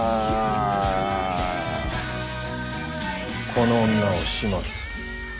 この女を始末する。